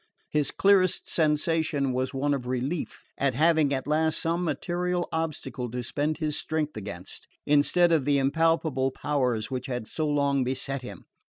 His clearest sensation was one of relief at having at last some material obstacle to spend his strength against, instead of the impalpable powers which had so long beset him.